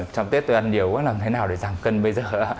trong tết tôi ăn nhiều quá làm thế nào để giảm cân bây giờ